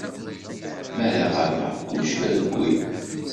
Mi ara ɣabeɣ, kullec irewwi.